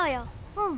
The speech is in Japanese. うん。